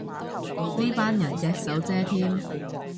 呢班人隻手遮天